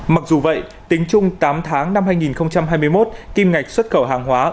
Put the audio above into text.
mặc dù vậy tính chung tám tháng năm hai nghìn hai mươi một kim ngạch xuất khẩu hàng hóa